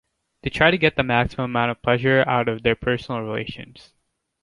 They tried to get the maximum of pleasure out of their personal relations.